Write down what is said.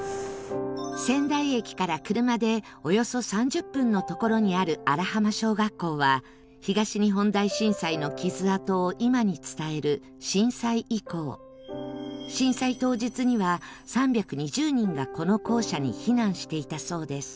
仙台駅から車でおよそ３０分の所にある荒浜小学校は東日本大震災の傷跡を今に伝える震災遺構震災当日には、３２０人がこの校舎に避難していたそうです